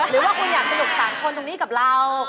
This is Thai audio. หรือว่าคุณอยากสนุก๓คนตรงนี้กับเรา